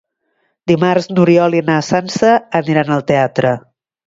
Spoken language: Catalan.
Dimarts n'Oriol i na Sança aniran al teatre.